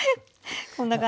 こんな感じで。